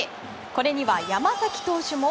これには、山崎投手も。